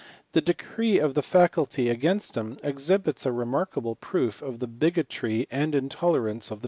The decree of the faculty against him exhibits a remarkable proof of the bigotry and intolerance of the times.